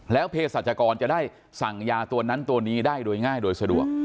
เพศรัชกรจะได้สั่งยาตัวนั้นตัวนี้ได้โดยง่ายโดยสะดวก